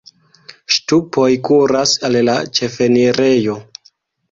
Ŝtupoj kuras al la ĉefenirejo.